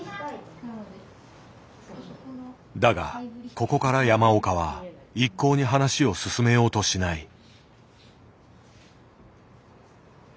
だがここから山岡は一向に話を進めようとしない。